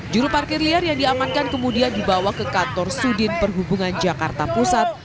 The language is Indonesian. juru parkir liar yang diamankan kemudian dibawa ke kantor sudin perhubungan jakarta pusat